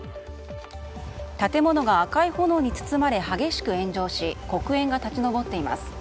建物が赤い炎に包まれ激しく炎上し黒煙が立ち上っています。